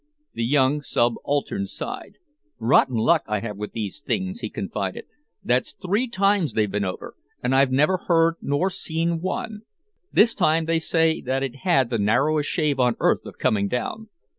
The young subaltern sighed. "Rotten luck I have with these things," he confided. "That's three times they've been over, and I've neither heard nor seen one. This time they say that it had the narrowest shave on earth of coming down.